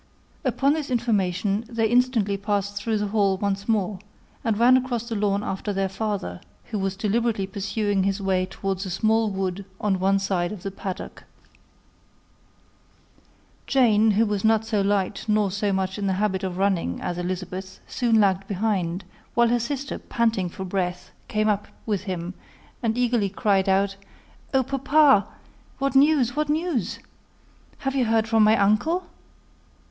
Upon this information, they instantly passed through the hall once more, and ran across the lawn after their father, who was deliberately pursuing his way towards a small wood on one side of the paddock. Jane, who was not so light, nor so much in the habit of running as Elizabeth, soon lagged behind, while her sister, panting for breath, came up with him, and eagerly cried out, "Oh, papa, what news? what news? have you heard from my uncle?"